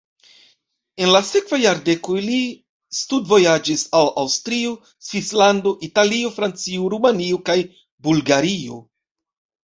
En la sekvaj jardekoj li studvojaĝis al Aŭstrio, Svislando, Italio, Francio, Rumanio kaj Bulgario.